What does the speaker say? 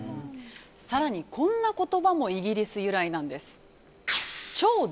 更に、こんな言葉もイギリス由来なんです。